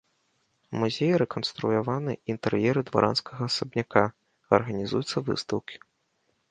У музеі рэканструяваны інтэр'еры дваранскага асабняка, арганізуюцца выстаўкі.